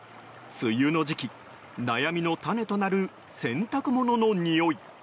梅雨の時期、悩みの種となる洗濯物のにおい。